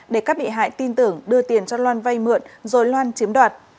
để các bị hại tin tưởng đưa tiền cho loan vay mượn rồi loan chiếm đoạt